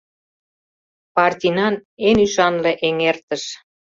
Партийнан эн ӱшанле эҥертыш.